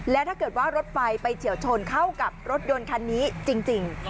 แล้วถ้าเกิดว่ารถไฟไปเฉียวชนเข้ากับรถยนต์คันนี้จริง